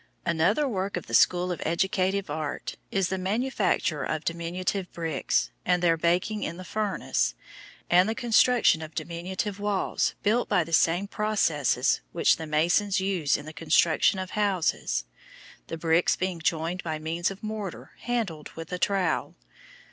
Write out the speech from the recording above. Another work in the School of Educative Art is the manufacture of diminutive bricks, and their baking in the furnace, and the construction of diminutive walls built by the same processes which the masons use in the construction of houses, the bricks being joined by means of mortar handled with a trowel.